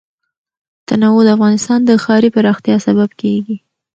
تنوع د افغانستان د ښاري پراختیا سبب کېږي.